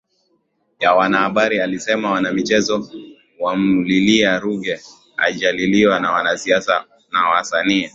ya wanahabari alisema Wanamichezo wamlilia Ruge hajaliliwa na wanasia na wasanii